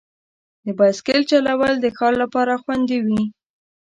د بایسکل چلول د ښار لپاره خوندي وي.